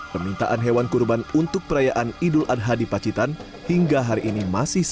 permintaan hewan kurban untuk perayaan idul adha di pacitan hingga hari ini masih selesai